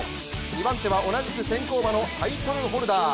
２番手は同じく先行馬のタイトルホルダー。